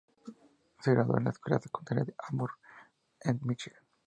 Se graduó de la escuela secundaria Ann Arbor en Michigan.